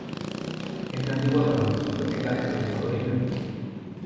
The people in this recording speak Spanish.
Es nativo de los Andes subtropicales de Ecuador y Perú.